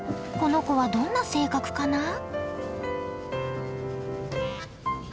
この子はどんな性格かな？